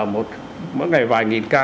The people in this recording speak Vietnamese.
mỗi ngày vài nghìn ca